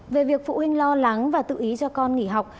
về việc phụ huynh lo lắng và tự ý cho con nghỉ học